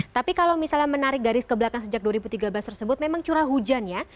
tapi kalau misalnya menarik garis ke belakang sejak dua ribu tiga belas tersebut memang curah hujan ya